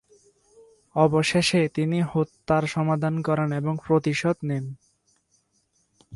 অবশেষে, তিনি হত্যার সমাধান করেন এবং প্রতিশোধ নেন।